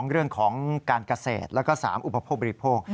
เรื่องของการเกษตรแล้วก็๓อุปโภคบริโภค